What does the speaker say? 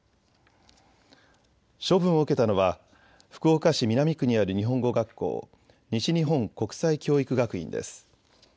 処分を受けたのは福岡市南区にある日本語学校、西日本国際教育学院です。